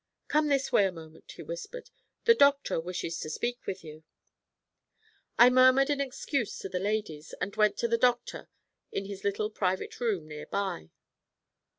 'Come this way a moment,' he whispered. 'The doctor wishes to speak with you.' I murmured an excuse to the ladies, and went to the doctor in his little private room near by.